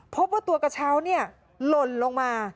พบว่าตัวกระเช้าหล่นลงมา